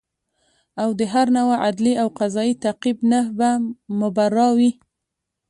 او د هر نوع عدلي او قضایي تعقیب نه به مبرا وي